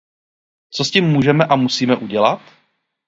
Co s tím můžeme a musíme udělat?